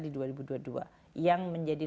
di dua ribu dua puluh dua yang menjadi